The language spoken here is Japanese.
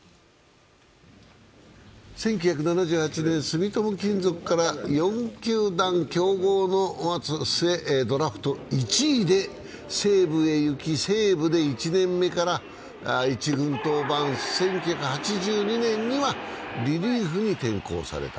１９７８年、住友金属から４球団競合の末ドラフト１位で西武へ行き、西武で１年目から１軍登板、１９８２年にはリリーフに転向された。